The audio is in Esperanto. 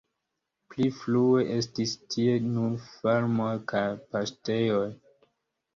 Pli frue estis tie nur farmoj kaj paŝtejoj.